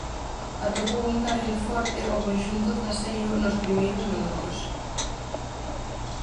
Atopou un Carril forte o conxunto zaseiro nos primeiros minutos.